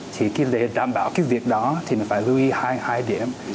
thì để đảm bảo việc đó thì mình phải lưu ý hai điểm